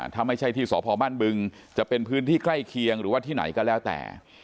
ถ้าไม่ใช่ที่สพบ้านบึงจะเป็นพื้นที่ใกล้เคียงหรือว่าที่ไหนก็แล้วแต่